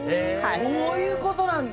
そういうことなんだ。